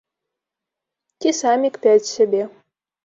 Ці самі кпяць з сябе.